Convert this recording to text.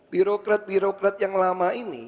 birokrat birokrat yang lama ini